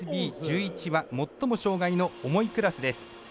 ＳＢ１１は最も障がいの重いクラスです。